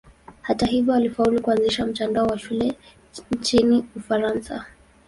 Hata hivyo alifaulu kuanzisha mtandao wa shule nchini Ufaransa.